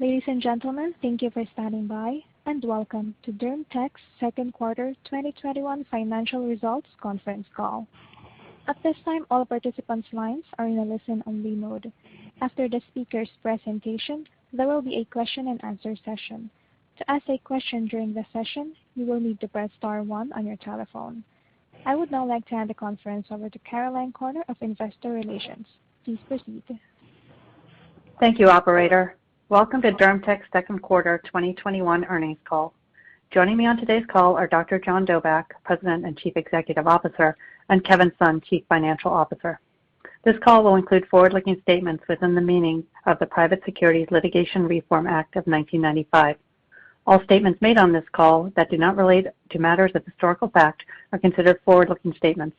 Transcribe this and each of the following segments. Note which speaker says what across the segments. Speaker 1: Ladies and gentlemen, thank you for standing by, and welcome to DermTech's second quarter 2021 financial results conference call. At this time, all participants' lines are in a listen-only mode. After the speakers' presentation, there will be a question-and-answer session. To ask a question during the session, you will need to press star one on your telephone. I would now like to hand the conference over to Caroline Corner of Investor Relations. Please proceed.
Speaker 2: Thank you, operator. Welcome to DermTech's second quarter 2021 earnings call. Joining me on today's call are Dr. John Dobak, President and Chief Executive Officer, and Kevin Sun, Chief Financial Officer. This call will include forward-looking statements within the meaning of the Private Securities Litigation Reform Act of 1995. All statements made on this call that do not relate to matters of historical fact are considered forward-looking statements.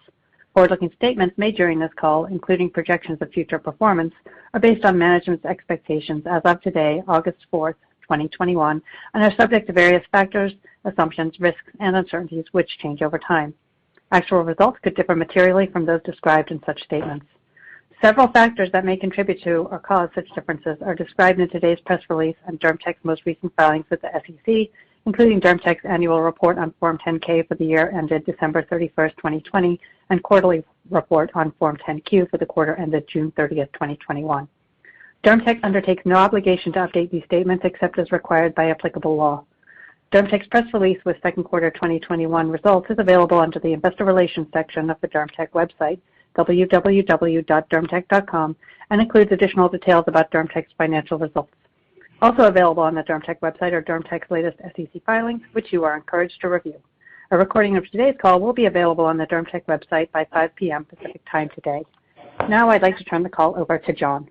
Speaker 2: Forward-looking statements made during this call, including projections of future performance, are based on management's expectations as of today, August 4th, 2021, and are subject to various factors, assumptions, risks, and uncertainties, which change over time. Actual results could differ materially from those described in such statements. Several factors that may contribute to or cause such differences are described in today's press release and DermTech's most recent filings with the SEC, including DermTech's annual report on Form 10-K for the year ended December 31st, 2020, and quarterly report on Form 10-Q for the quarter ended June 30th, 2021. DermTech undertakes no obligation to update these statements except as required by applicable law. DermTech's press release with second quarter 2021 results is available under the Investor Relations section of the DermTech website, www.dermtech.com, and includes additional details about DermTech's financial results. Also available on the DermTech website are DermTech's latest SEC filings, which you are encouraged to review. A recording of today's call will be available on the DermTech website by 5:00 P.M. Pacific Time today. Now I'd like to turn the call over to John.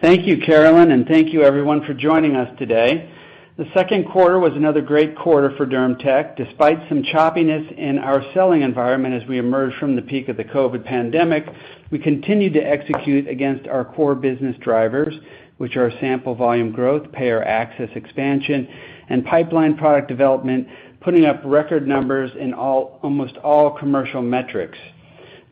Speaker 3: Thank you, Caroline, and thank you everyone for joining us today. The second quarter was another great quarter for DermTech. Despite some choppiness in our selling environment as we emerge from the peak of the COVID pandemic, we continued to execute against our core business drivers, which are sample volume growth, payer access expansion, and pipeline product development, putting up record numbers in almost all commercial metrics.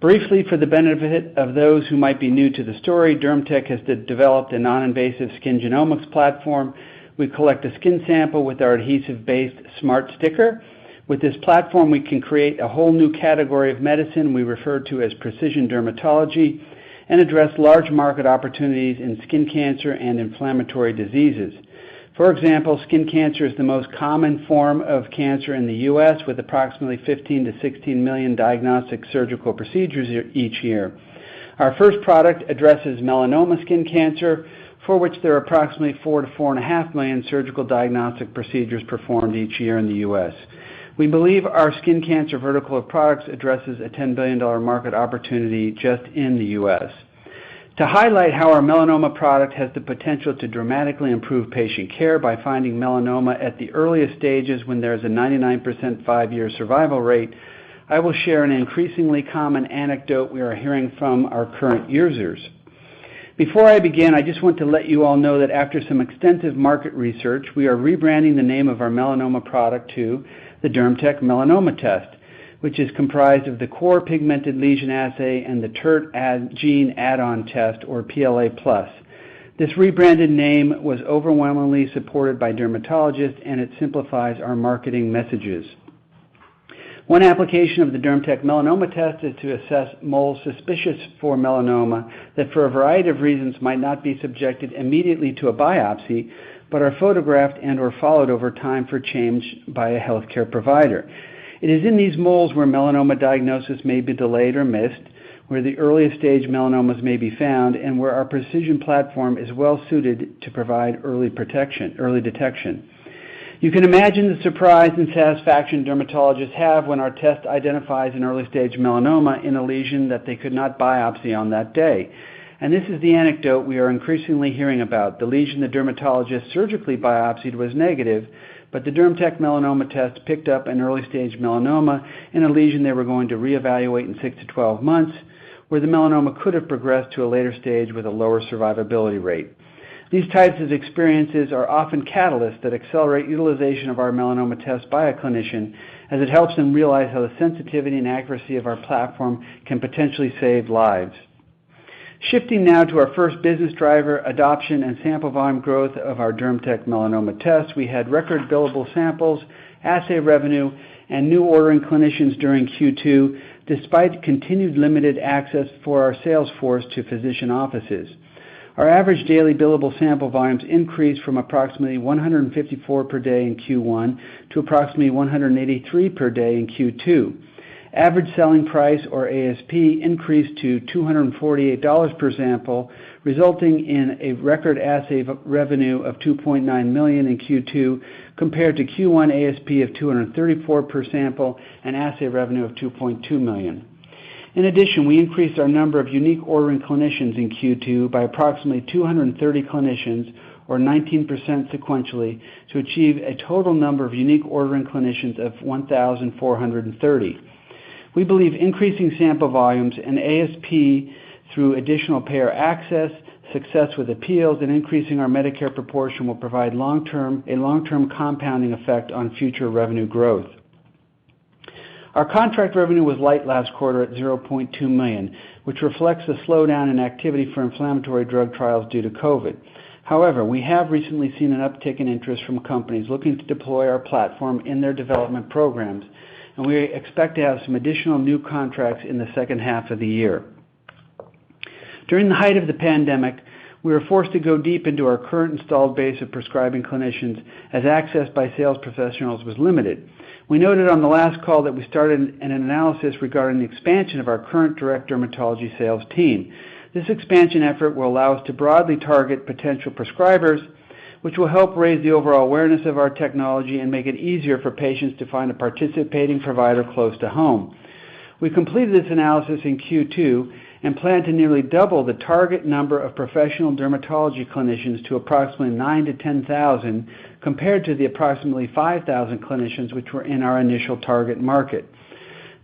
Speaker 3: Briefly, for the benefit of those who might be new to the story, DermTech has developed a non-invasive skin genomics platform. We collect a skin sample with our adhesive-based Smart Sticker. With this platform, we can create a whole new category of medicine we refer to as precision dermatology and address large market opportunities in skin cancer and inflammatory diseases. For example, skin cancer is the most common form of cancer in the U.S., with approximately 15 million-16 million diagnostic surgical procedures each year. Our first product addresses melanoma skin cancer, for which there are approximately 4 million to four and a half million surgical diagnostic procedures performed each year in the U.S. We believe our skin cancer vertical of products addresses a $10 billion market opportunity just in the U.S. To highlight how our melanoma product has the potential to dramatically improve patient care by finding melanoma at the earliest stages when there's a 99% five-year survival rate, I will share an increasingly common anecdote we are hearing from our current users. Before I begin, I just want to let you all know that after some extensive market research, we are rebranding the name of our melanoma product to the DermTech Melanoma Test, which is comprised of the core Pigmented Lesion Assay and the TERT gene add-on test, or PLAplus. This rebranded name was overwhelmingly supported by dermatologists. It simplifies our marketing messages. One application of the DermTech Melanoma Test is to assess moles suspicious for melanoma that for a variety of reasons might not be subjected immediately to a biopsy but are photographed and/or followed over time for change by a healthcare provider. It is in these moles where melanoma diagnosis may be delayed or missed, where the earliest stage melanomas may be found, and where our precision platform is well-suited to provide early detection. You can imagine the surprise and satisfaction dermatologists have when our test identifies an early-stage melanoma in a lesion that they could not biopsy on that day. This is the anecdote we are increasingly hearing about. The lesion the dermatologist surgically biopsied was negative, the DermTech Melanoma Test picked up an early-stage melanoma in a lesion they were going to reevaluate in six to 12 months, where the melanoma could have progressed to a later stage with a lower survivability rate. These types of experiences are often catalysts that accelerate utilization of our melanoma test by a clinician, as it helps them realize how the sensitivity and accuracy of our platform can potentially save lives. Shifting now to our first business driver, adoption and sample volume growth of our DermTech Melanoma Test, we had record billable samples, assay revenue, and new ordering clinicians during Q2, despite continued limited access for our sales force to physician offices. Our average daily billable sample volumes increased from approximately 154 per day in Q1 to approximately 183 per day in Q2. Average selling price or ASP increased to $248 per sample, resulting in a record assay revenue of $2.9 million in Q2 compared to Q1 ASP of $234 per sample and assay revenue of $2.2 million. In addition, we increased our number of unique ordering clinicians in Q2 by approximately 230 clinicians or 19% sequentially to achieve a total number of unique ordering clinicians of 1,430. We believe increasing sample volumes and ASP through additional payer access, success with appeals, and increasing our Medicare proportion will provide a long-term compounding effect on future revenue growth. Our contract revenue was light last quarter at $0.2 million, which reflects the slowdown in activity for inflammatory drug trials due to COVID. We have recently seen an uptick in interest from companies looking to deploy our platform in their development programs, and we expect to have some additional new contracts in the second half of the year. During the height of the pandemic, we were forced to go deep into our current installed base of prescribing clinicians as access by sales professionals was limited. We noted on the last call that we started an analysis regarding the expansion of our current direct dermatology sales team. This expansion effort will allow us to broadly target potential prescribers, which will help raise the overall awareness of our technology and make it easier for patients to find a participating provider close to home. We completed this analysis in Q2 and plan to nearly double the target number of professional dermatology clinicians to approximately 9,000-10,000, compared to the approximately 5,000 clinicians which were in our initial target market.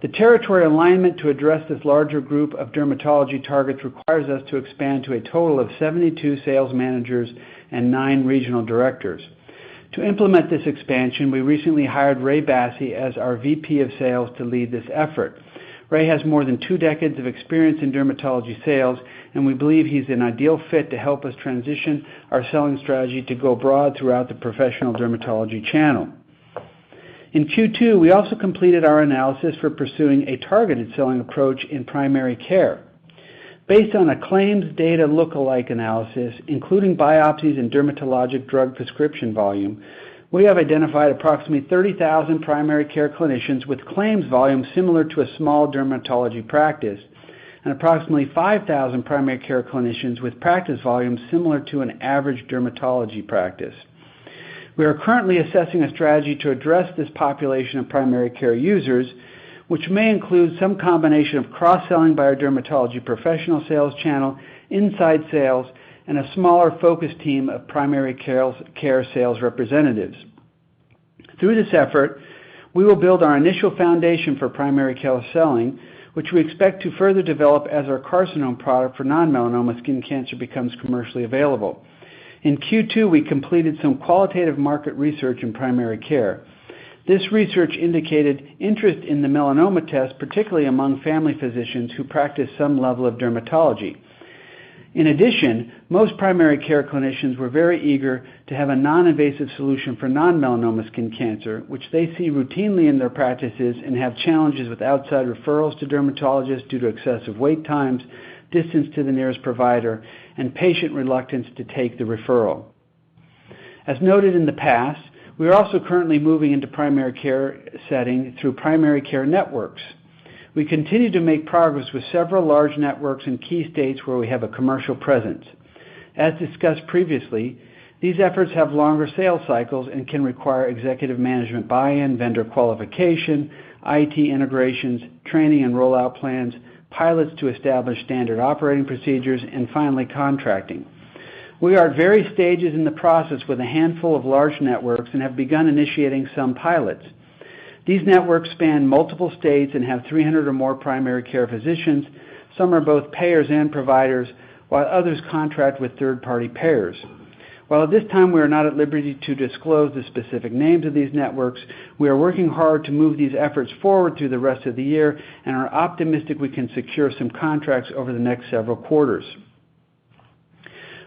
Speaker 3: The territory alignment to address this larger group of dermatology targets requires us to expand to a total of 72 sales managers and nine regional directors. To implement this expansion, we recently hired Ray Bassi as our VP of Sales to lead this effort. Ray has more than two decades of experience in dermatology sales, and we believe he's an ideal fit to help us transition our selling strategy to go broad throughout the professional dermatology channel. In Q2, we also completed our analysis for pursuing a targeted selling approach in primary care. Based on a claims data lookalike analysis, including biopsies and dermatologic drug prescription volume, we have identified approximately 30,000 primary care clinicians with claims volume similar to a small dermatology practice and approximately 5,000 primary care clinicians with practice volumes similar to an average dermatology practice. We are currently assessing a strategy to address this population of primary care users, which may include some combination of cross-selling by our dermatology professional sales channel, inside sales, and a smaller focus team of primary care sales representatives. Through this effort, we will build our initial foundation for primary care selling, which we expect to further develop as our carcinoma product for non-melanoma skin cancer becomes commercially available. In Q2, we completed some qualitative market research in primary care. This research indicated interest in the melanoma test, particularly among family physicians who practice some level of dermatology. In addition, most primary care clinicians were very eager to have a non-invasive solution for non-melanoma skin cancer, which they see routinely in their practices and have challenges with outside referrals to dermatologists due to excessive wait times, distance to the nearest provider, and patient reluctance to take the referral. As noted in the past, we are also currently moving into primary care setting through primary care networks. We continue to make progress with several large networks in key states where we have a commercial presence. As discussed previously, these efforts have longer sales cycles and can require executive management buy-in, vendor qualification, IT integrations, training and rollout plans, pilots to establish standard operating procedures, and finally, contracting. We are at various stages in the process with a handful of large networks and have begun initiating some pilots. These networks span multiple states and have 300 or more primary care physicians. Some are both payers and providers, while others contract with third-party payers. While at this time we are not at liberty to disclose the specific names of these networks, we are working hard to move these efforts forward through the rest of the year and are optimistic we can secure some contracts over the next several quarters.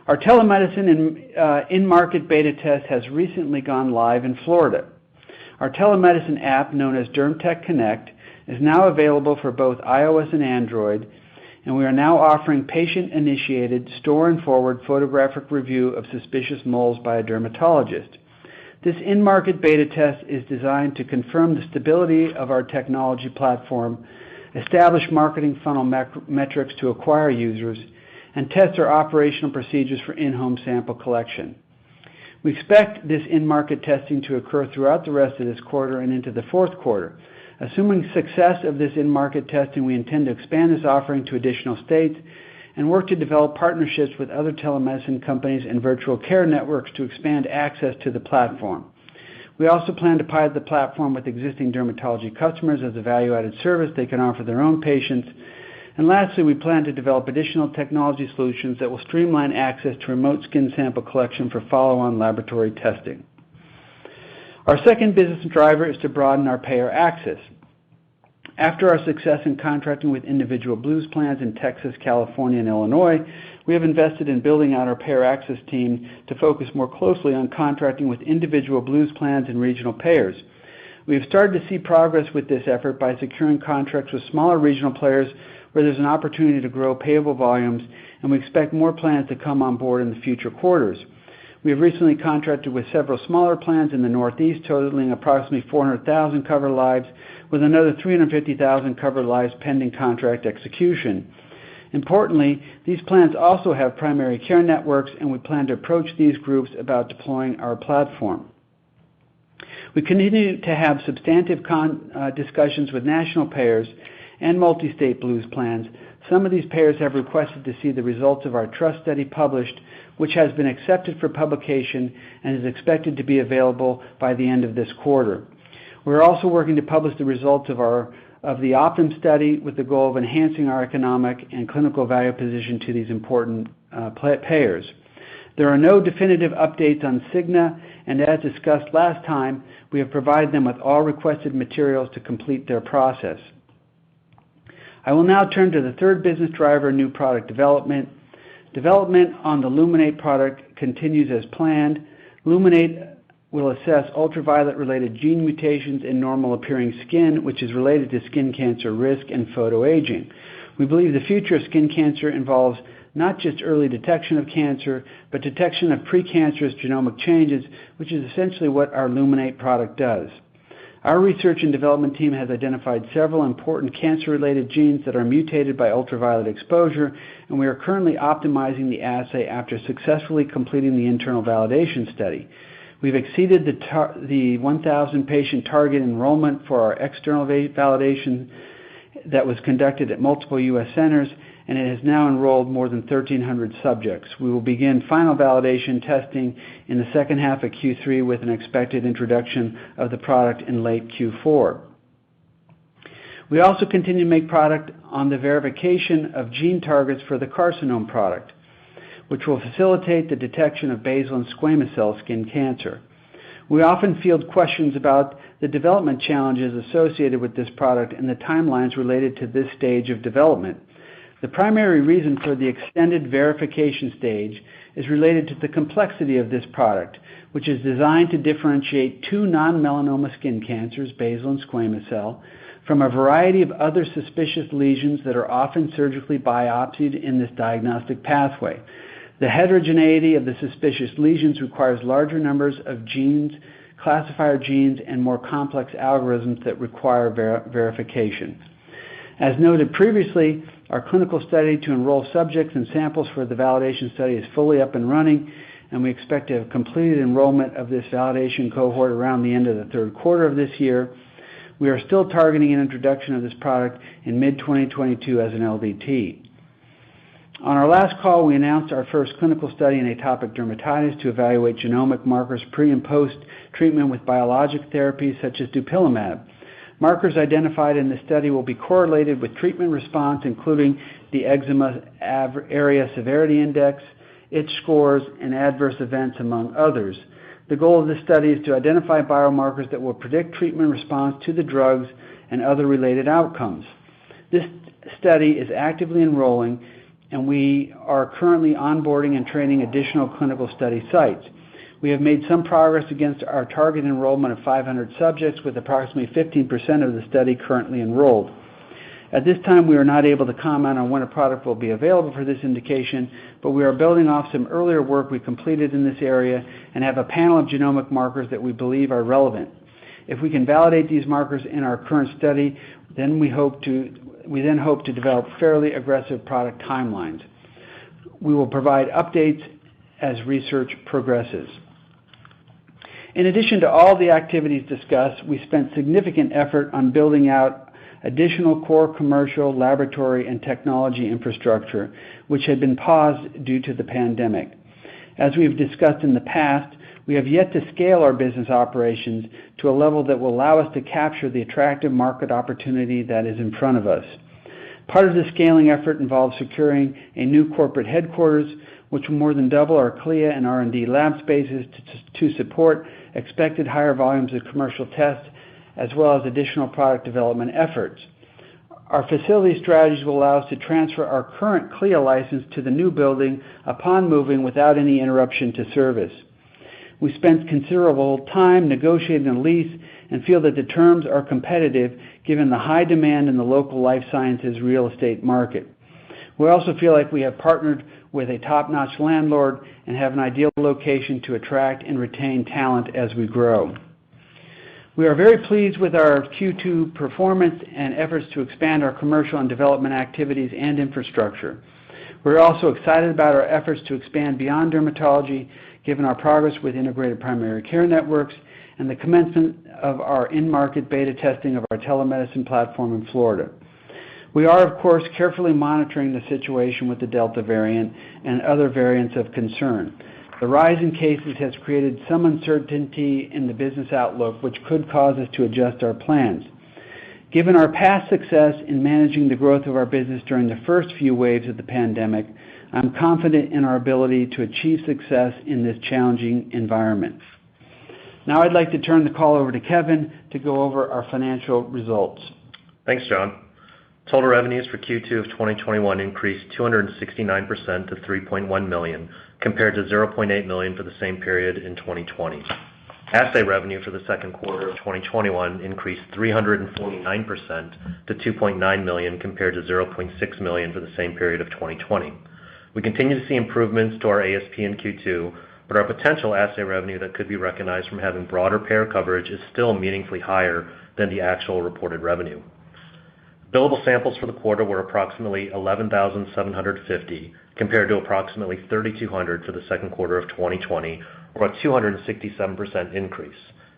Speaker 3: Our telemedicine and in-market beta test has recently gone live in Florida. Our telemedicine app, known as DermTech Connect, is now available for both iOS and Android, and we are now offering patient-initiated store and forward photographic review of suspicious moles by a dermatologist. This in-market beta test is designed to confirm the stability of our technology platform, establish marketing funnel metrics to acquire users, and test our operational procedures for in-home sample collection. We expect this in-market testing to occur throughout the rest of this quarter and into the fourth quarter. Assuming success of this in-market testing, we intend to expand this offering to additional states and work to develop partnerships with other telemedicine companies and virtual care networks to expand access to the platform. We also plan to pilot the platform with existing dermatology customers as a value-added service they can offer their own patients. Lastly, we plan to develop additional technology solutions that will streamline access to remote skin sample collection for follow-on laboratory testing. Our second business driver is to broaden our payer access. After our success in contracting with individual Blues plans in Texas, California, and Illinois, we have invested in building out our payer access team to focus more closely on contracting with individual Blues plans and regional payers. We have started to see progress with this effort by securing contracts with smaller regional players where there's an opportunity to grow payable volumes, and we expect more plans to come on board in the future quarters. We have recently contracted with several smaller plans in the Northeast, totaling approximately 400,000 covered lives, with another 350,000 covered lives pending contract execution. Importantly, these plans also have primary care networks, and we plan to approach these groups about deploying our platform. We continue to have substantive discussions with national payers and multi-state Blues plans. Some of these payers have requested to see the results of our TRUST Study published, which has been accepted for publication and is expected to be available by the end of this quarter. We're also working to publish the results of the Optum study with the goal of enhancing our economic and clinical value position to these important payers. There are no definitive updates on Cigna, and as discussed last time, we have provided them with all requested materials to complete their process. I will now turn to the third business driver, new product development. Development on the Luminate product continues as planned. Luminate will assess ultraviolet-related gene mutations in normal-appearing skin, which is related to skin cancer risk and photoaging. We believe the future of skin cancer involves not just early detection of cancer, but detection of precancerous genomic changes, which is essentially what our Luminate product does. Our research and development team has identified several important cancer-related genes that are mutated by ultraviolet exposure, and we are currently optimizing the assay after successfully completing the internal validation study. We've exceeded the 1,000-patient target enrollment for our external validation that was conducted at multiple U.S. centers, and it has now enrolled more than 1,300 subjects. We will begin final validation testing in the second half of Q3 with an expected introduction of the product in late Q4. We also continue to make product on the verification of gene targets for the carcinoma product, which will facilitate the detection of basal and squamous cell skin cancer. We often field questions about the development challenges associated with this product and the timelines related to this stage of development. The primary reason for the extended verification stage is related to the complexity of this product, which is designed to differentiate two non-melanoma skin cancers, basal and squamous cell, from a variety of other suspicious lesions that are often surgically biopsied in this diagnostic pathway. The heterogeneity of the suspicious lesions requires larger numbers of genes, classifier genes, and more complex algorithms that require verification. As noted previously, our clinical study to enroll subjects and samples for the validation study is fully up and running, and we expect to have completed enrollment of this validation cohort around the end of the third quarter of this year. We are still targeting an introduction of this product in mid-2022 as an LDT. On our last call, we announced our first clinical study in atopic dermatitis to evaluate genomic markers pre and post-treatment with biologic therapies such as dupilumab. Markers identified in this study will be correlated with treatment response, including the Eczema Area Severity Index, ITCH scores, and adverse events, among others. The goal of this study is to identify biomarkers that will predict treatment response to the drugs and other related outcomes. This study is actively enrolling, and we are currently onboarding and training additional clinical study sites. We have made some progress against our target enrollment of 500 subjects, with approximately 15% of the study currently enrolled. At this time, we are not able to comment on when a product will be available for this indication, but we are building off some earlier work we completed in this area and have a panel of genomic markers that we believe are relevant. If we can validate these markers in our current study, we then hope to develop fairly aggressive product timelines. We will provide updates as research progresses. In addition to all the activities discussed, we spent significant effort on building out additional core commercial laboratory and technology infrastructure, which had been paused due to the pandemic. As we have discussed in the past, we have yet to scale our business operations to a level that will allow us to capture the attractive market opportunity that is in front of us. Part of the scaling effort involves securing a new corporate headquarters, which will more than double our CLIA and R&D lab spaces to support expected higher volumes of commercial tests, as well as additional product development efforts. Our facility strategies will allow us to transfer our current CLIA license to the new building upon moving without any interruption to service. We spent considerable time negotiating a lease and feel that the terms are competitive given the high demand in the local life sciences real estate market. We also feel like we have partnered with a top-notch landlord and have an ideal location to attract and retain talent as we grow. We are very pleased with our Q2 performance and efforts to expand our commercial and development activities and infrastructure. We're also excited about our efforts to expand beyond dermatology, given our progress with integrated primary care networks and the commencement of our in-market beta testing of our telemedicine platform in Florida. We are, of course, carefully monitoring the situation with the Delta variant and other variants of concern. The rise in cases has created some uncertainty in the business outlook, which could cause us to adjust our plans. Given our past success in managing the growth of our business during the first few waves of the pandemic, I'm confident in our ability to achieve success in this challenging environment. I'd like to turn the call over to Kevin to go over our financial results.
Speaker 4: Thanks, John. Total revenues for Q2 of 2021 increased 269% to $3.1 million, compared to $0.8 million for the same period in 2020. Assay revenue for the second quarter of 2021 increased 349% to $2.9 million, compared to $0.6 million for the same period of 2020. We continue to see improvements to our ASP in Q2, but our potential assay revenue that could be recognized from having broader payer coverage is still meaningfully higher than the actual reported revenue. Billable samples for the quarter were approximately 11,750, compared to approximately 3,200 for the second quarter of 2020, or a 267% increase,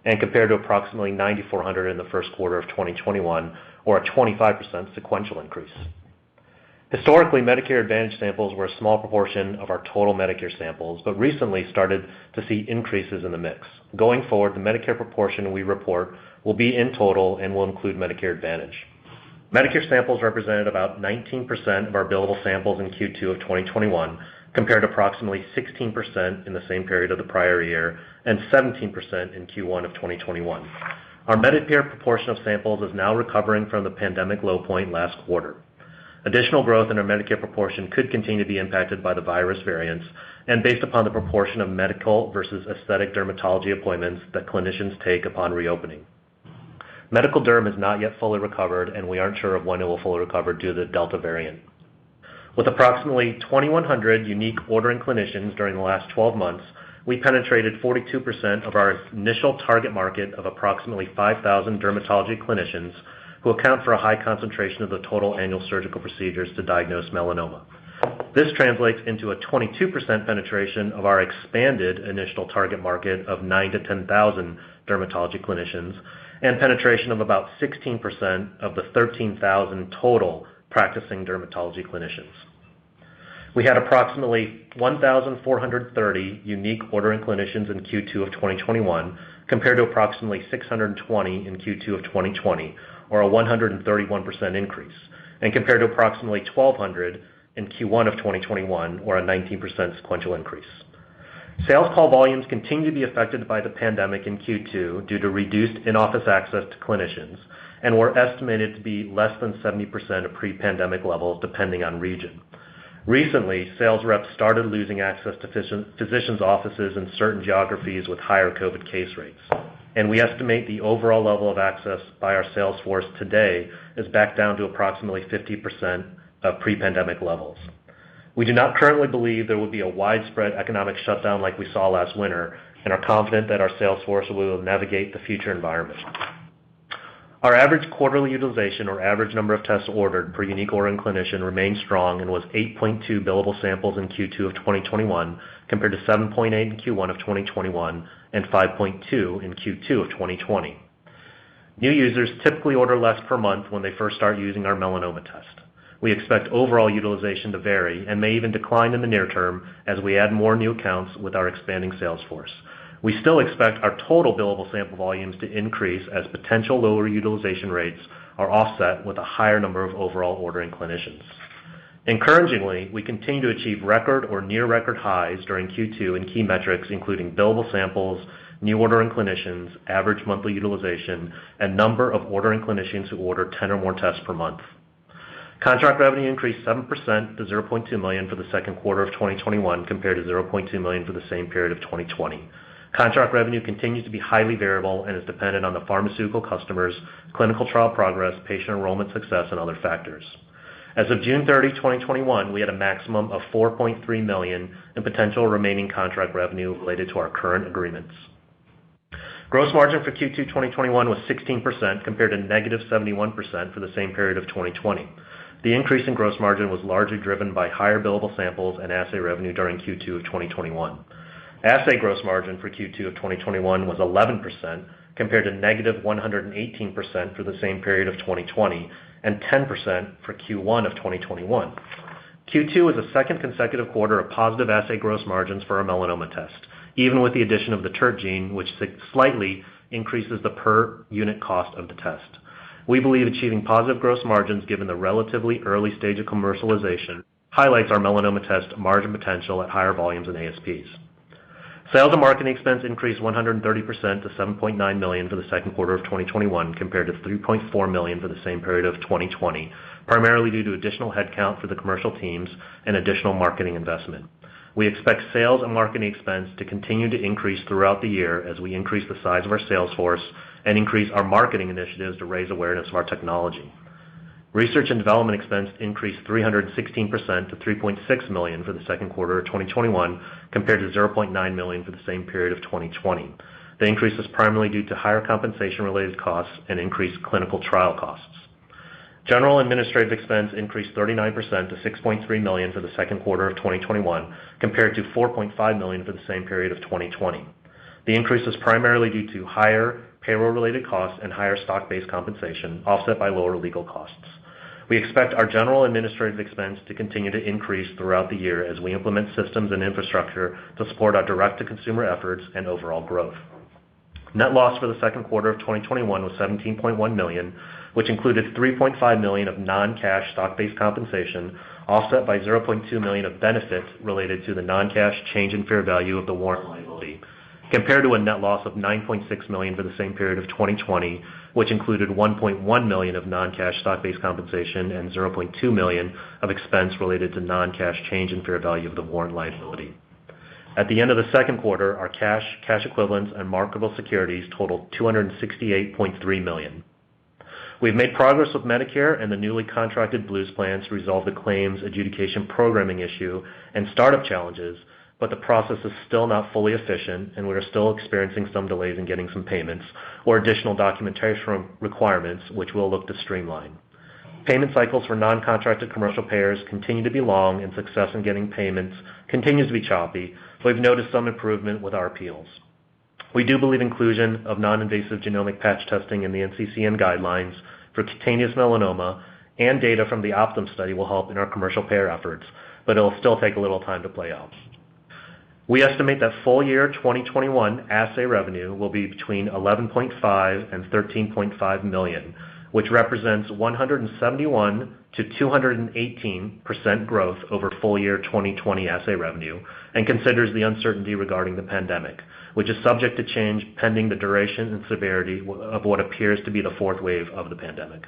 Speaker 4: and compared to approximately 9,400 in the first quarter of 2021, or a 25% sequential increase. Historically, Medicare Advantage samples were a small proportion of our total Medicare samples, but recently started to see increases in the mix. Going forward, the Medicare proportion we report will be in total and will include Medicare Advantage. Medicare samples represented about 19% of our billable samples in Q2 of 2021, compared to approximately 16% in the same period of the prior year, and 17% in Q1 of 2021. Our Medicare proportion of samples is now recovering from the pandemic low point last quarter. Additional growth in our Medicare proportion could continue to be impacted by the virus variants, and based upon the proportion of medical versus aesthetic dermatology appointments that clinicians take upon reopening. Medical derm is not yet fully recovered, and we aren't sure of when it will fully recover due to the Delta variant. With approximately 2,100 unique ordering clinicians during the last 12 months, we penetrated 42% of our initial target market of approximately 5,000 dermatology clinicians who account for a high concentration of the total annual surgical procedures to diagnose melanoma. This translates into a 22% penetration of our expanded initial target market of 9,000-10,000 dermatology clinicians, and penetration of about 16% of the 13,000 total practicing dermatology clinicians. We had approximately 1,430 unique ordering clinicians in Q2 of 2021, compared to approximately 620 in Q2 of 2020, or a 131% increase, and compared to approximately 1,200 in Q1 of 2021, or a 19% sequential increase. Sales call volumes continue to be affected by the pandemic in Q2 due to reduced in-office access to clinicians, and were estimated to be less than 70% of pre-pandemic levels, depending on region. Recently, sales reps started losing access to physicians' offices in certain geographies with higher COVID case rates, and we estimate the overall level of access by our sales force today is back down to approximately 50% of pre-pandemic levels. We do not currently believe there will be a widespread economic shutdown like we saw last winter, and are confident that our sales force will navigate the future environment. Our average quarterly utilization, or average number of tests ordered per unique ordering clinician, remained strong and was 8.2 billable samples in Q2 of 2021, compared to 7.8 in Q1 of 2021, and 5.2 in Q2 of 2020. New users typically order less per month when they first start using our melanoma test. We expect overall utilization to vary and may even decline in the near term as we add more new accounts with our expanding sales force. We still expect our total billable sample volumes to increase as potential lower utilization rates are offset with a higher number of overall ordering clinicians. Encouragingly, we continue to achieve record or near record highs during Q2 in key metrics, including billable samples, new ordering clinicians, average monthly utilization, and number of ordering clinicians who order 10 or more tests per month. Contract revenue increased 7% to $0.2 million for the second quarter of 2021, compared to $0.2 million for the same period of 2020. Contract revenue continues to be highly variable and is dependent on the pharmaceutical customers' clinical trial progress, patient enrollment success, and other factors. As of June 30, 2021, we had a maximum of $4.3 million in potential remaining contract revenue related to our current agreements. Gross margin for Q2 2021 was 16%, compared to negative 71% for the same period of 2020. The increase in gross margin was largely driven by higher billable samples and assay revenue during Q2 of 2021. Assay gross margin for Q2 of 2021 was 11%, compared to -118% for the same period of 2020, and 10% for Q1 of 2021. Q2 is the second consecutive quarter of positive assay gross margins for our Melanoma Test, even with the addition of the TERT gene, which slightly increases the per unit cost of the test. We believe achieving positive gross margins given the relatively early stage of commercialization highlights our Melanoma Test margin potential at higher volumes and ASPs. Sales and marketing expense increased 130% to $7.9 million for the second quarter of 2021, compared to $3.4 million for the same period of 2020, primarily due to additional headcount for the commercial teams and additional marketing investment. We expect sales and marketing expense to continue to increase throughout the year as we increase the size of our sales force and increase our marketing initiatives to raise awareness of our technology. Research and development expense increased 316% to $3.6 million for the second quarter of 2021, compared to $0.9 million for the same period of 2020. The increase is primarily due to higher compensation-related costs and increased clinical trial costs. General and administrative expense increased 39% to $6.3 million for the second quarter of 2021, compared to $4.5 million for the same period of 2020. The increase was primarily due to higher payroll-related costs and higher stock-based compensation, offset by lower legal costs. We expect our general administrative expense to continue to increase throughout the year as we implement systems and infrastructure to support our direct-to-consumer efforts and overall growth. Net loss for the second quarter of 2021 was $17.1 million, which included $3.5 million of non-cash stock-based compensation, offset by $0.2 million of benefits related to the non-cash change in fair value of the warrant liability, compared to a net loss of $9.6 million for the same period of 2020, which included $1.1 million of non-cash stock-based compensation and $0.2 million of expense related to non-cash change in fair value of the warrant liability. At the end of the second quarter, our cash equivalents, and marketable securities totaled $268.3 million. We've made progress with Medicare and the newly contracted Blues plans to resolve the claims adjudication programming issue and startup challenges, but the process is still not fully efficient and we are still experiencing some delays in getting some payments or additional documentation requirements, which we'll look to streamline. Payment cycles for non-contracted commercial payers continue to be long, and success in getting payments continues to be choppy, so we've noticed some improvement with our appeals. We do believe inclusion of non-invasive genomic patch testing in the NCCN guidelines for cutaneous melanoma and data from the Optum study will help in our commercial payer efforts, but it'll still take a little time to play out. We estimate that full-year 2021 assay revenue will be between $11.5 million and $13.5 million, which represents 171%-218% growth over full-year 2020 assay revenue, and considers the uncertainty regarding the pandemic, which is subject to change pending the duration and severity of what appears to be the fourth wave of the pandemic.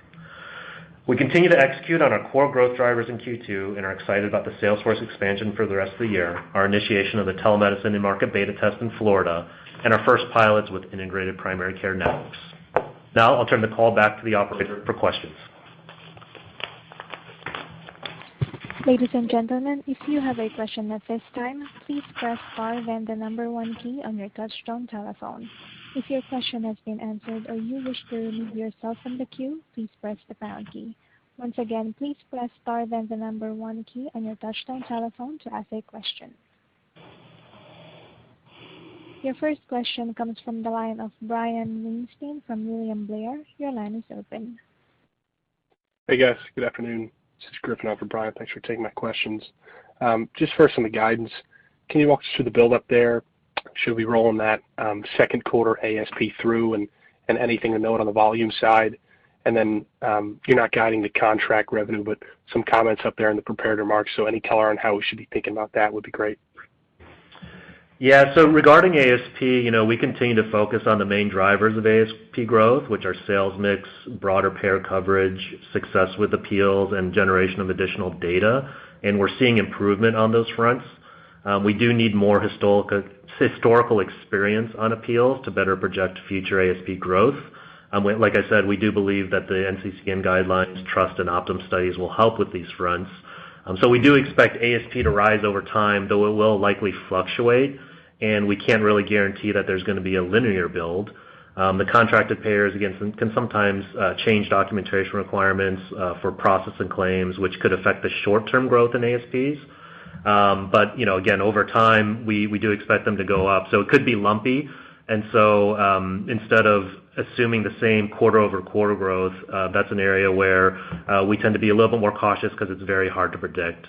Speaker 4: We continue to execute on our core growth drivers in Q2 and are excited about the sales force expansion for the rest of the year, our initiation of the telemedicine and market beta test in Florida, and our first pilots with integrated primary care networks. I'll turn the call back to the operator for questions.
Speaker 1: Ladies and gentlemen if you have a question at this time, please press star then the number one key on your touch-tone telephone. If your question has been answered or you wish to remove yourself from the question queue please press the pound key. Once again please press star then the number one key on your touch-tone telephone to ask a question. Your first question comes from the line of Brian Weinstein from William Blair. Your line is open.
Speaker 5: Hey, guys. Good afternoon. This is Griffin on for Brian. Thanks for taking my questions. First on the guidance, can you walk us through the build-up there? Should we roll on that second quarter ASP through and anything to note on the volume side? You're not guiding the contract revenue, but some comments up there in the prepared remarks, so any color on how we should be thinking about that would be great.
Speaker 4: Yeah. Regarding ASP, we continue to focus on the main drivers of ASP growth, which are sales mix, broader payer coverage, success with appeals, and generation of additional data, and we're seeing improvement on those fronts. We do need more historical experience on appeals to better project future ASP growth. Like I said, we do believe that the NCCN guidelines, TRUST and Optum studies will help with these fronts. We do expect ASP to rise over time, though it will likely fluctuate, and we can't really guarantee that there's going to be a linear build. The contracted payers, again, can sometimes change documentation requirements for processing claims, which could affect the short-term growth in ASPs. Again, over time, we do expect them to go up. It could be lumpy. Instead of assuming the same quarter-over-quarter growth, that's an area where we tend to be a little bit more cautious because it's very hard to predict.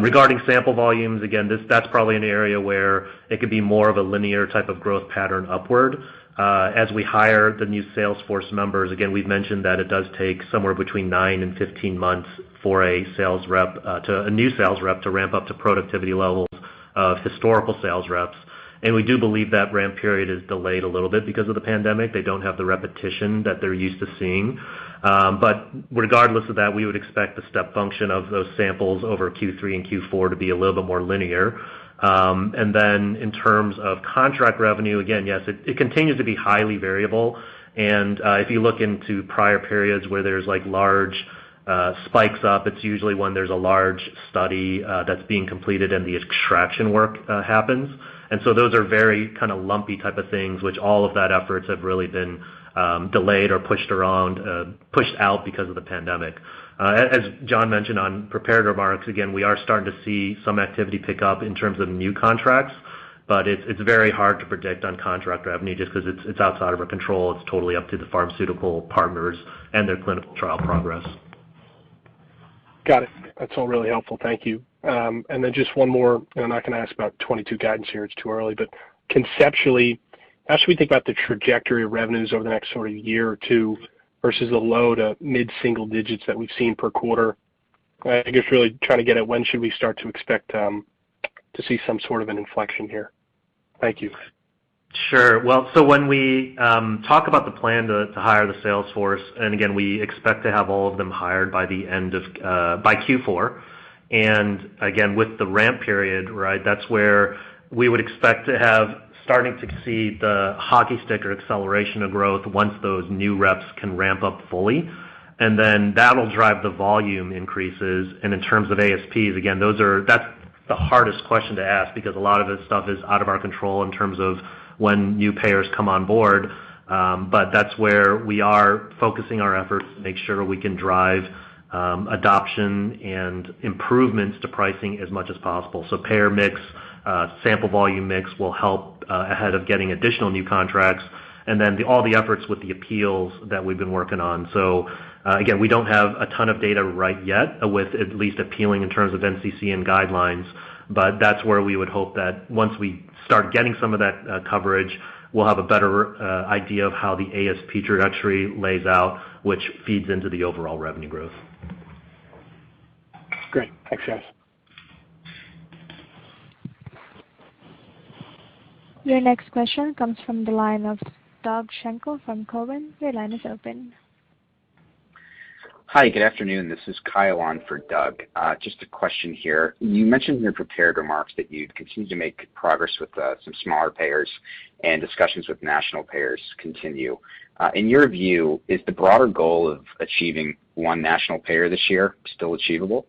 Speaker 4: Regarding sample volumes, again, that's probably an area where it could be more of a linear type of growth pattern upward. As we hire the new sales force members, again, we've mentioned that it does take somewhere between 9 and 15 months for a new sales rep to ramp up to productivity levels of historical sales reps. We do believe that ramp period is delayed a little bit because of the pandemic. They don't have the repetition that they're used to seeing. Regardless of that, we would expect the step function of those samples over Q3 and Q4 to be a little bit more linear. Then in terms of contract revenue, again, yes, it continues to be highly variable, and if you look into prior periods where there's large spikes up, it's usually when there's a large study that's being completed and the extraction work happens. So those are very lumpy type of things, which all of that efforts have really been delayed or pushed out because of the pandemic. As John mentioned on prepared remarks, again, we are starting to see some activity pick up in terms of new contracts, but it's very hard to predict on contract revenue just because it's outside of our control. It's totally up to the pharmaceutical partners and their clinical trial progress.
Speaker 5: Got it. That's all really helpful. Thank you. Then just one more. I'm not going to ask about 2022 guidance here, it's too early. Conceptually, as we think about the trajectory of revenues over the next sort of year or two versus the low to mid-single-digits that we've seen per quarter, I guess really trying to get at when should we start to expect to see some sort of an inflection here? Thank you.
Speaker 4: When we talk about the plan to hire the sales force, again, we expect to have all of them hired by Q4, again, with the ramp period, that's where we would expect to have starting to see the hockey stick or acceleration of growth once those new reps can ramp up fully. That'll drive the volume increases. In terms of ASPs, again, that's the hardest question to ask because a lot of this stuff is out of our control in terms of when new payers come on board. That's where we are focusing our efforts to make sure we can drive adoption and improvements to pricing as much as possible. Payer mix, sample volume mix will help ahead of getting additional new contracts, all the efforts with the appeals that we've been working on. Again, we don't have a ton of data right yet with at least appealing in terms of NCCN guidelines, but that's where we would hope that once we start getting some of that coverage, we'll have a better idea of how the ASP trajectory lays out, which feeds into the overall revenue growth.
Speaker 5: Great. Thanks, guys.
Speaker 1: Your next question comes from the line of Doug Schenkel from Cowen. Your line is open.
Speaker 6: Hi, good afternoon. This is Kyle on for Doug. Just a question here. You mentioned in your prepared remarks that you'd continue to make progress with some smaller payers and discussions with national payers continue. In your view, is the broader goal of achieving one national payer this year still achievable?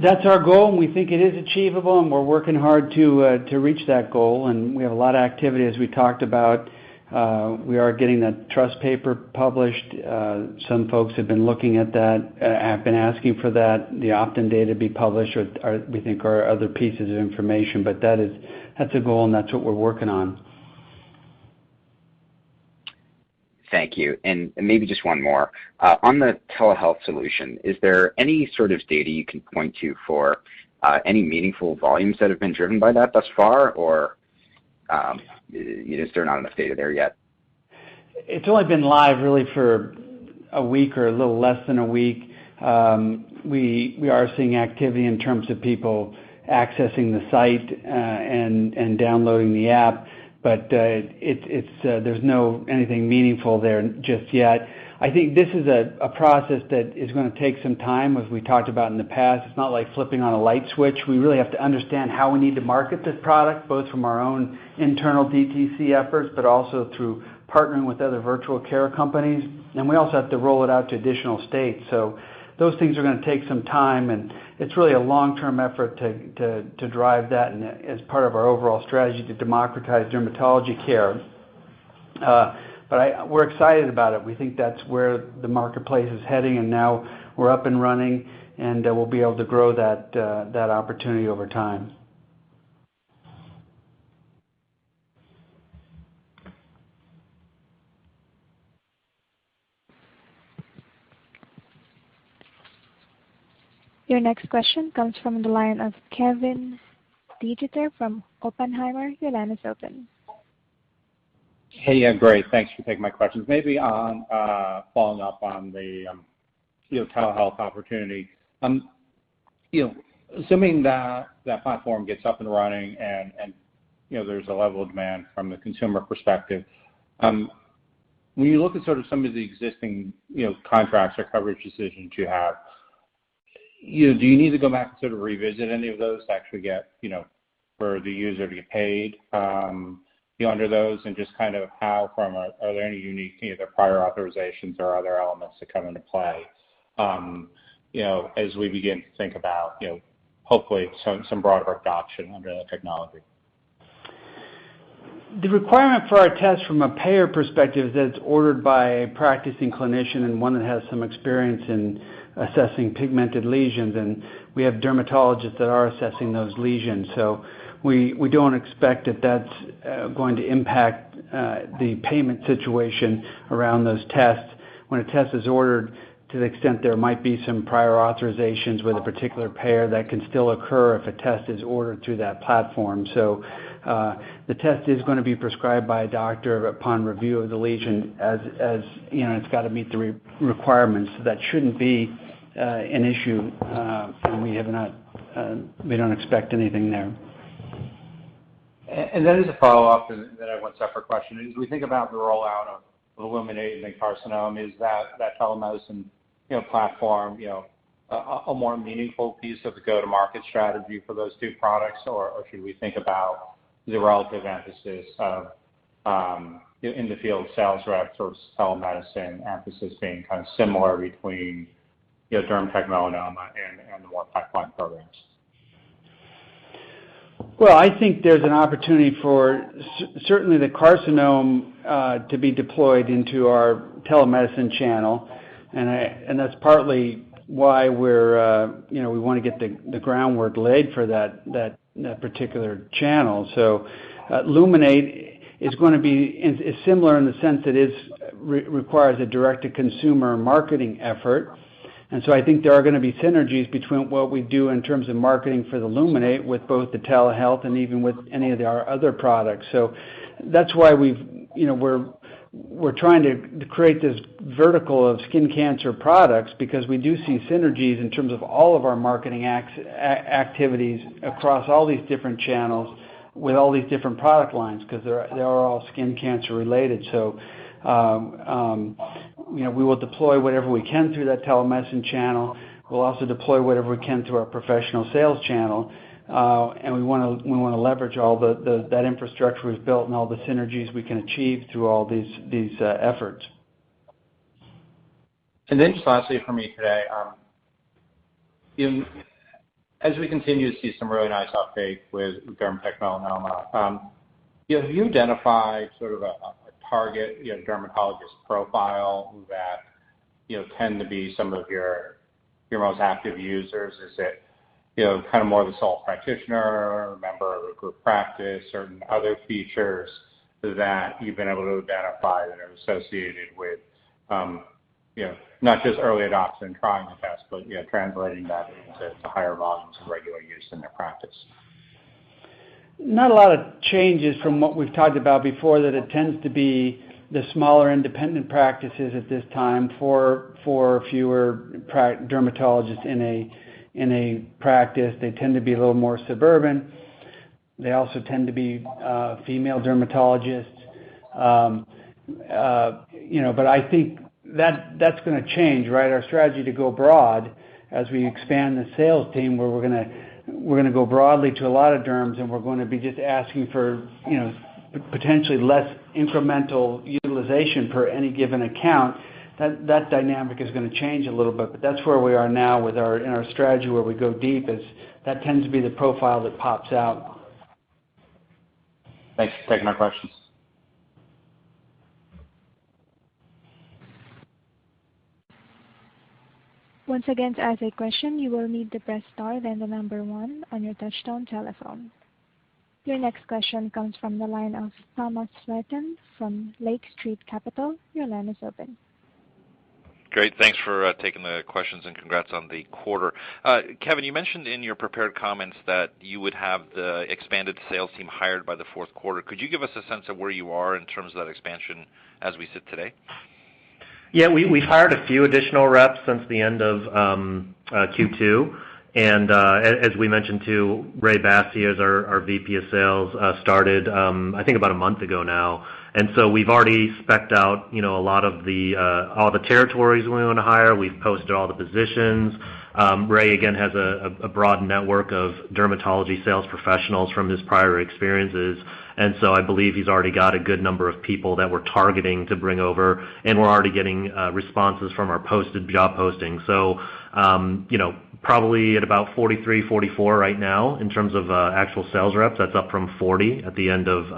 Speaker 4: That's our goal, and we think it is achievable, and we're working hard to reach that goal, and we have a lot of activity as we talked about. We are getting that TRUST paper published. Some folks have been looking at that, have been asking for that, the Optum data be published, we think are other pieces of information, but that's a goal and that's what we're working on.
Speaker 6: Thank you. Maybe just one more. On the telehealth solution, is there any sort of data you can point to for any meaningful volumes that have been driven by that thus far? Or is there not enough data there yet?
Speaker 3: It's only been live really for a week or a little less than a week. We are seeing activity in terms of people accessing the site and downloading the app. There's no anything meaningful there just yet. I think this is a process that is going to take some time, as we talked about in the past. It's not like flipping on a light switch. We really have to understand how we need to market this product, both from our own internal DTC efforts, but also through partnering with other virtual care companies. We also have to roll it out to additional states. Those things are going to take some time, and it's really a long-term effort to drive that and as part of our overall strategy to democratize dermatology care. We're excited about it. We think that's where the marketplace is heading, and now we're up and running, and we'll be able to grow that opportunity over time.
Speaker 1: Your next question comes from the line of Kevin DeGeeter from Oppenheimer. Your line is open.
Speaker 7: Hey, yeah, great. Thanks for taking my questions. Maybe following up on the telehealth opportunity. Assuming that that platform gets up and running and there's a level of demand from the consumer perspective, when you look at sort of some of the existing contracts or coverage decisions you have, do you need to go back and sort of revisit any of those to actually get for the user to get paid under those? Just kind of how, are there any unique either prior authorizations or other elements that come into play as we begin to think about hopefully some broader adoption under the technology?
Speaker 3: The requirement for our test from a payer perspective is that it's ordered by a practicing clinician and one that has some experience in assessing pigmented lesions, and we have dermatologists that are assessing those lesions. We don't expect that that's going to impact the payment situation around those tests. When a test is ordered, to the extent there might be some prior authorizations with a particular payer, that can still occur if a test is ordered through that platform. The test is going to be prescribed by a doctor upon review of the lesion, as it's got to meet the requirements. That shouldn't be an issue, and we don't expect anything there.
Speaker 7: Then as a follow-up that I want to ask for a question is, we think about the rollout of Luminate and then carcinoma, is that telemedicine platform a more meaningful piece of the go-to-market strategy for those two products? Should we think about the relative emphasis of in the field sales rep sort of telemedicine emphasis being kind of similar between DermTech melanoma and the more pipeline programs?
Speaker 3: Well, I think there's an opportunity for certainly the carcinoma to be deployed into our telemedicine channel. That's partly why we want to get the groundwork laid for that particular channel. Luminate is going to be similar in the sense that it requires a direct-to-consumer marketing effort. I think there are going to be synergies between what we do in terms of marketing for the Luminate with both the telehealth and even with any of our other products. That's why we're trying to create this vertical of skin cancer products because we do see synergies in terms of all of our marketing activities across all these different channels with all these different product lines, because they are all skin cancer related. We will deploy whatever we can through that telemedicine channel. We'll also deploy whatever we can through our professional sales channel. We want to leverage all that infrastructure we've built and all the synergies we can achieve through all these efforts.
Speaker 7: Then just lastly from me today, as we continue to see some really nice uptake with DermTech Melanoma, have you identified sort of a target dermatologist profile that tend to be some of your most active users? Is it kind of more of a sole practitioner or a member of a group practice or other features that you've been able to identify that are associated with not just early adoption and trying the test, but translating that into higher volumes of regular use in their practice?
Speaker 3: Not a lot of changes from what we've talked about before, that it tends to be the smaller independent practices at this time for fewer dermatologists in a practice. They tend to be a little more suburban. They also tend to be female dermatologists. I think that's going to change. Our strategy to go broad as we expand the sales team, where we're going to go broadly to a lot of derms, and we're going to be just asking for potentially less incremental utilization per any given account. That dynamic is going to change a little bit. That's where we are now in our strategy, where we go deep, is that tends to be the profile that pops out.
Speaker 7: Thanks for taking my questions.
Speaker 1: Once again to ask a question you will need to press star then the number one on your touch-tone telephone. Your next question comes from the line of Thomas Flaten from Lake Street Capital. Your line is open.
Speaker 8: Great. Thanks for taking the questions, and congrats on the quarter. Kevin, you mentioned in your prepared comments that you would have the expanded sales team hired by the fourth quarter. Could you give us a sense of where you are in terms of that expansion as we sit today?
Speaker 4: Yeah. We've hired a few additional reps since the end of Q2. As we mentioned too, Ray Bassi, our VP of Sales, started I think about a month ago now. We've already spec'd out a lot of the territories we want to hire. We've posted all the positions. Ray, again, has a broad network of dermatology sales professionals from his prior experiences. I believe he's already got a good number of people that we're targeting to bring over, and we're already getting responses from our posted job postings. Probably at about 43, 44 right now in terms of actual sales reps. That's up from 40 at the end of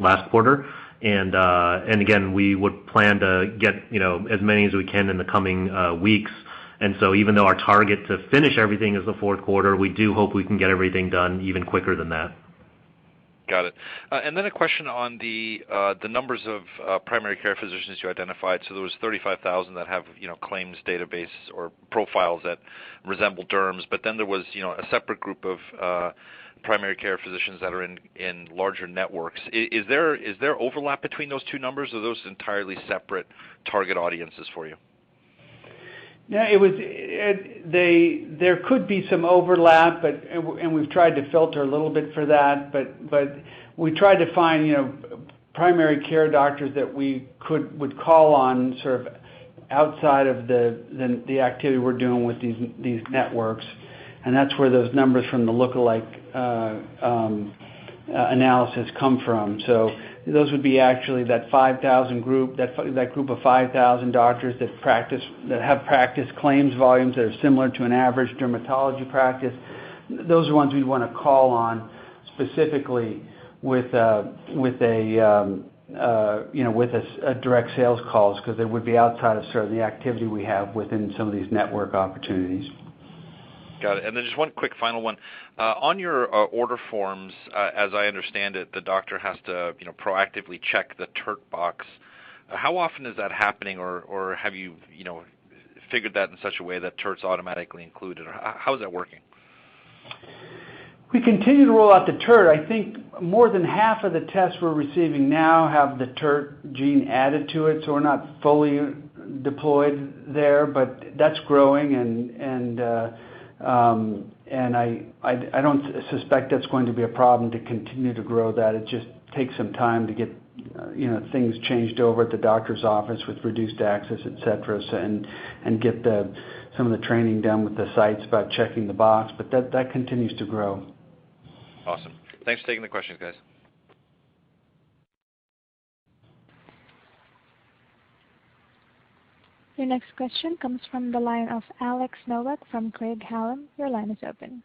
Speaker 4: last quarter. Again, we would plan to get as many as we can in the coming weeks. Even though our target to finish everything is the fourth quarter, we do hope we can get everything done even quicker than that.
Speaker 8: Got it. A question on the numbers of primary care physicians you identified. There was 35,000 that have claims database or profiles that resemble derms, but then there was a separate group of primary care physicians that are in larger networks. Is there overlap between those two numbers, or are those entirely separate target audiences for you?
Speaker 4: There could be some overlap. We've tried to filter a little bit for that. We tried to find primary care doctors that we would call on sort of outside of the activity we're doing with these networks. That's where those numbers from the lookalike analysis come from. Those would be actually that group of 5,000 doctors that have practice claims volumes that are similar to an average dermatology practice. Those are ones we'd want to call on specifically with a direct sales calls. They would be outside of sort of the activity we have within some of these network opportunities.
Speaker 8: Got it. Just one quick final one. On your order forms, as I understand it, the doctor has to proactively check the TERT box. How often is that happening, or have you figured that in such a way that TERT's automatically included, or how is that working?
Speaker 4: We continue to roll out the TERT. I think more than half of the tests we're receiving now have the TERT gene added to it, so we're not fully deployed there, but that's growing and I don't suspect that's going to be a problem to continue to grow that. It just takes some time to get things changed over at the doctor's office with reduced access, et cetera, and get some of the training done with the sites about checking the box, but that continues to grow.
Speaker 8: Awesome. Thanks for taking the questions, guys.
Speaker 1: Your next question comes from the line of Alex Nowak from Craig-Hallum. Your line is open.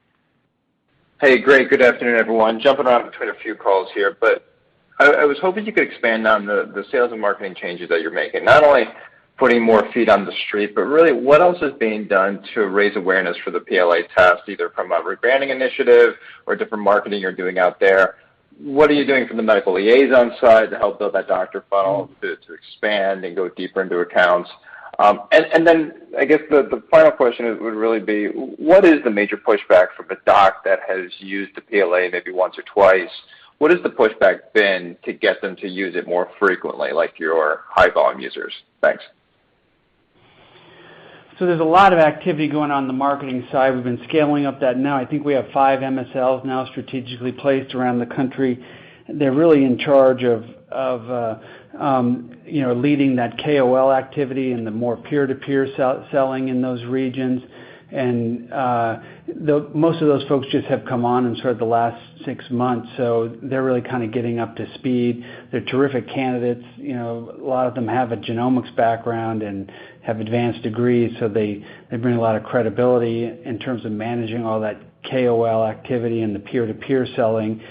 Speaker 9: Hey, great. Good afternoon, everyone. Jumping around between a few calls here, but I was hoping you could expand on the sales and marketing changes that you're making. Not only putting more feet on the street, but really what else is being done to raise awareness for the PLA test, either from a rebranding initiative or different marketing you're doing out there. What are you doing from the medical liaison side to help build that doctor funnel to expand and go deeper into accounts? I guess the final question would really be, what is the major pushback from a doc that has used the PLA maybe once or twice? What has the pushback been to get them to use it more frequently like your high-volume users? Thanks.
Speaker 3: There's a lot of activity going on in the marketing side. We've been scaling up that. Now I think we have five MSLs now strategically placed around the country. They're really in charge of leading that KOL activity and the more peer-to-peer selling in those regions. Most of those folks just have come on in sort of the last six months, so they're really kind of getting up to speed. They're terrific candidates. A lot of them have a genomics background and have advanced degrees, so they bring a lot of credibility in terms of managing all that KOL activity and the peer-to-peer selling.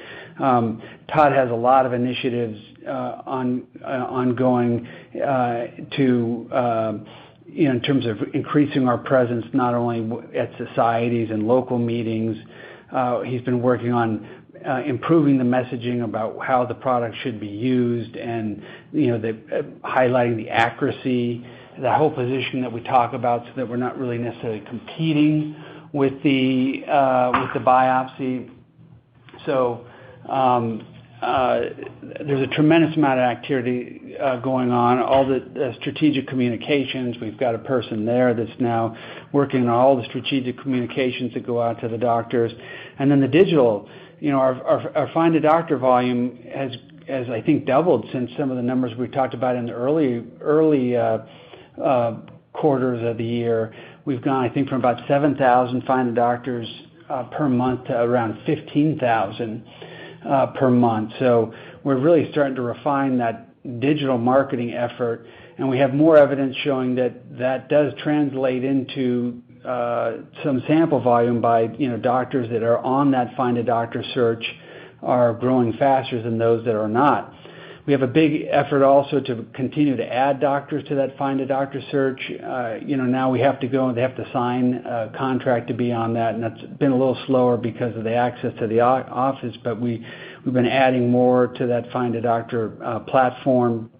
Speaker 3: Todd has a lot of initiatives ongoing in terms of increasing our presence, not only at societies and local meetings.
Speaker 4: He's been working on improving the messaging about how the product should be used and highlighting the accuracy, that whole position that we talk about so that we're not really necessarily competing with the biopsy. There's a tremendous amount of activity going on. All the strategic communications, we've got a person there that's now working on all the strategic communications that go out to the doctors. The digital. Our Find a Doctor volume has, I think, doubled since some of the numbers we talked about in the early quarters of the year. We've gone, I think, from about 7,000 Find a Doctors per month to around 15,000 per month. We're really starting to refine that digital marketing effort, and we have more evidence showing that that does translate into some sample volume by doctors that are on that Find a Doctor search.
Speaker 3: are growing faster than those that are not. We have a big effort also to continue to add doctors to that Find a Doctor search. Now we have to go, and they have to sign a contract to be on that, and that's been a little slower because of the access to the office, but we've been adding more to that Find a Doctor platform.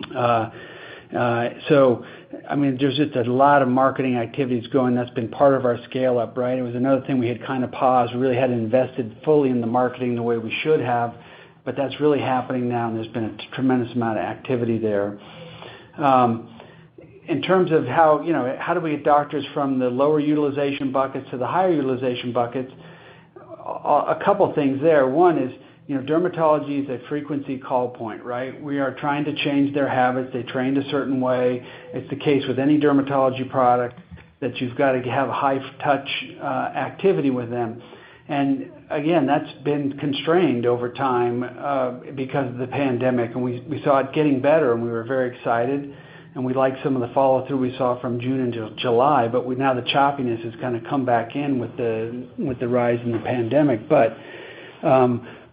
Speaker 3: There's just a lot of marketing activities going. That's been part of our scale-up. It was another thing we had kind of paused. We really hadn't invested fully in the marketing the way we should have, but that's really happening now, and there's been a tremendous amount of activity there. In terms of how do we get doctors from the lower utilization buckets to the higher utilization buckets, a couple things there. One is, dermatology is a frequency call point. We are trying to change their habits. They trained a certain way. It's the case with any dermatology product that you've got to have a high touch activity with them. Again, that's been constrained over time because of the pandemic, and we saw it getting better, and we were very excited, and we liked some of the follow-through we saw from June into July. Now the choppiness has kind of come back in with the rise in the pandemic.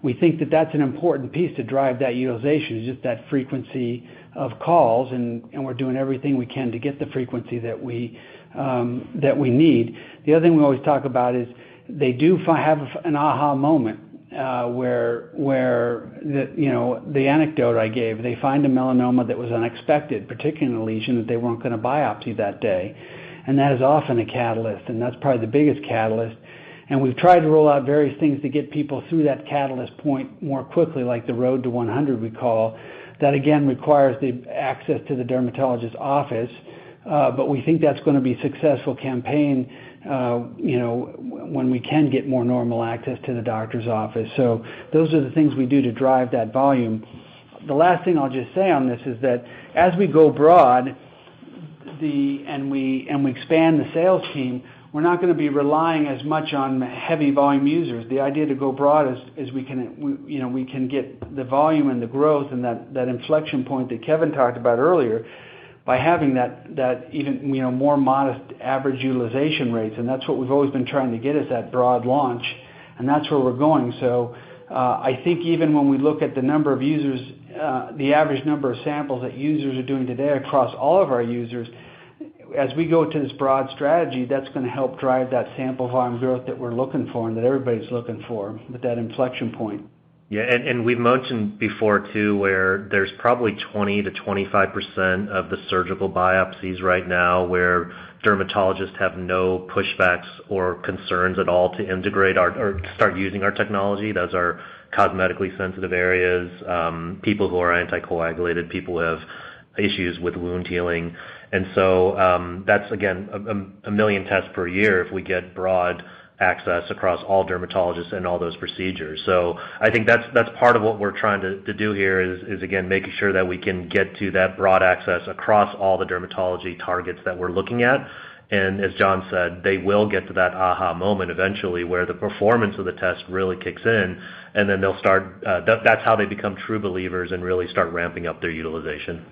Speaker 3: We think that that's an important piece to drive that utilization, is just that frequency of calls, and we're doing everything we can to get the frequency that we need. The other thing we always talk about is they do have an aha moment, where the anecdote I gave, they find a melanoma that was unexpected, particularly in a lesion that they weren't going to biopsy that day. That is often a catalyst, and that's probably the biggest catalyst. We've tried to roll out various things to get people through that catalyst point more quickly, like the Road to 100 we call. That, again, requires the access to the dermatologist's office. We think that's going to be a successful campaign when we can get more normal access to the doctor's office. Those are the things we do to drive that volume. The last thing I'll just say on this is that as we go broad and we expand the sales team, we're not going to be relying as much on the heavy volume users. The idea to go broad is we can get the volume and the growth and that inflection point that Kevin talked about earlier by having that even more modest average utilization rates. That's what we've always been trying to get is that broad launch, and that's where we're going. I think even when we look at the number of users, the average number of samples that users are doing today across all of our users, as we go to this broad strategy, that's going to help drive that sample volume growth that we're looking for and that everybody's looking for with that inflection point.
Speaker 4: Yeah, we've mentioned before, too, where there's probably 20%-25% of the surgical biopsies right now where dermatologists have no pushbacks or concerns at all to integrate or to start using our technology. Those are cosmetically sensitive areas, people who are anticoagulated, people who have issues with wound healing. That's again, 1 million tests per year if we get broad access across all dermatologists and all those procedures. I think that's part of what we're trying to do here is, again, making sure that we can get to that broad access across all the dermatology targets that we're looking at. As John said, they will get to that aha moment eventually where the performance of the test really kicks in, then that's how they become true believers and really start ramping up their utilization.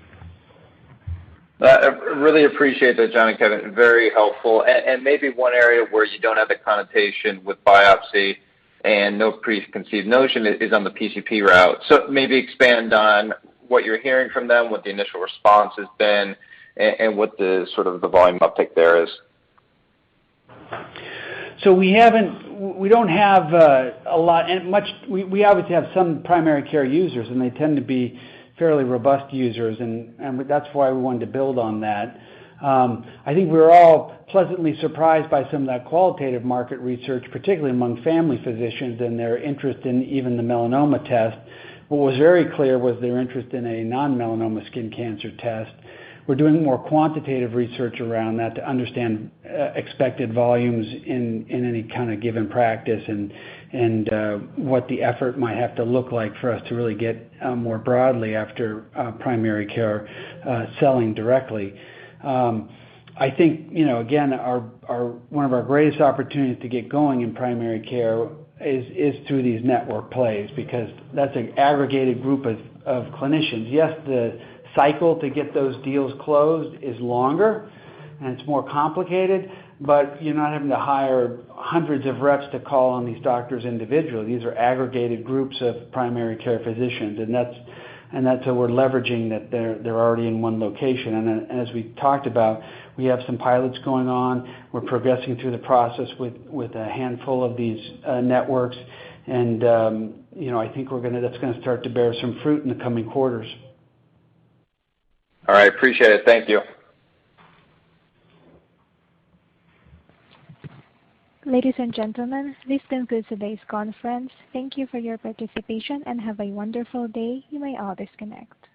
Speaker 9: I really appreciate that, John and Kevin. Very helpful. Maybe one area where you don't have the connotation with biopsy and no preconceived notion is on the PCP route. Maybe expand on what you're hearing from them, what the initial response has been, and what the volume uptick there is.
Speaker 3: We obviously have some primary care users, and they tend to be fairly robust users, and that's why we wanted to build on that. I think we're all pleasantly surprised by some of that qualitative market research, particularly among family physicians and their interest in even the melanoma test. What was very clear was their interest in a non-melanoma skin cancer test. We're doing more quantitative research around that to understand expected volumes in any kind of given practice and what the effort might have to look like for us to really get more broadly after primary care selling directly. I think, again, one of our greatest opportunities to get going in primary care is through these network plays, because that's an aggregated group of clinicians. Yes, the cycle to get those deals closed is longer and it's more complicated, but you're not having to hire hundreds of reps to call on these doctors individually. These are aggregated groups of primary care physicians. That's how we're leveraging that they're already in one location. As we talked about, we have some pilots going on. We're progressing through the process with a handful of these networks. I think that's going to start to bear some fruit in the coming quarters.
Speaker 9: All right. Appreciate it. Thank you.
Speaker 1: Ladies and gentlemen, this concludes today's conference. Thank you for your participation and have a wonderful day. You may all disconnect.